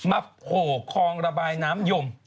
มาโผ่คองระบายน้ำหย่ม